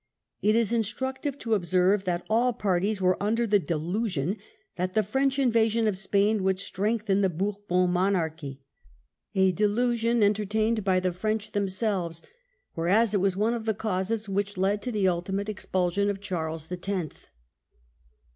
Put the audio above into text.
It is instructive to observe that all parties were under the delusion that the French invasion of Spain would strengthen the Bourbon monarchy, a delusion entertained by the French themselves ; whereas it was one of the causes which led to the ultimate expulsion of Charles the Tenth.